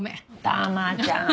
たまちゃん